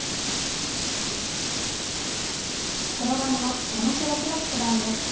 黒番の山城宏九段です。